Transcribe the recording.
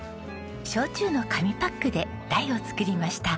焼酎の紙パックで台を作りました。